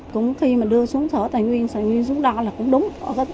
cũng khi mà đưa xuống thở tài nguyên tài nguyên xuống đó là cũng đúng